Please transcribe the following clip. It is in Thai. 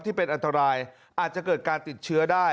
ที่เป็นอันตรายอาจจะเกิดการติดเชื้อได้